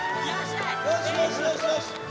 よしよしよしよし。